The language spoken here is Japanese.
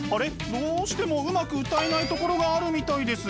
どうしてもうまく歌えないところがあるみたいです。